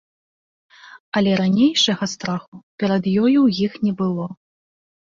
Але ранейшага страху перад ёю ў іх не было.